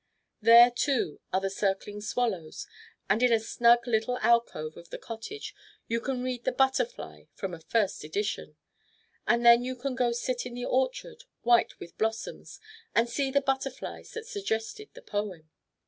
There, too, are the circling swallows; and in a snug little alcove of the cottage you can read "The Butterfly" from a first edition; and then you can go sit in the orchard, white with blossoms, and see the butterflies that suggested the poem.